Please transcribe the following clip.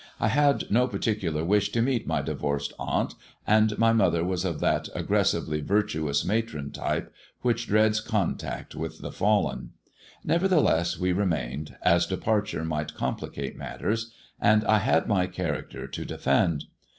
I had no particular wish to meet my divorced aunt, and my mother was of that aggressively virtuous matron type which dreads contact with the fallen. Never theless we remained, as departure might complicate matters, and I had my character to defend.